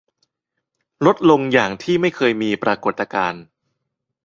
ลดลงอย่างที่ไม่เคยมีปรากฏการณ์